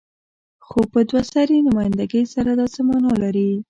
خو په دوه سري نمايندګۍ سره دا څه معنی لري؟